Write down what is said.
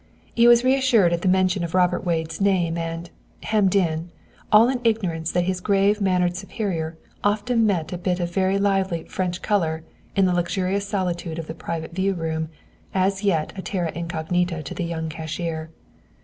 He was reassured at the mention of Robert Wade's name and, hemmed in, all in ignorance that his grave mannered superior often met a bit of very lively "French color" in the luxurious solitude of the "private view" room, as yet a terra incognita to the young cashier.